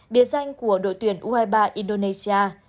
địa danh của đội tuyển u hai mươi ba indonesia